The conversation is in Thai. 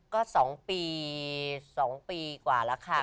ก็สองปีกว่าละค่ะ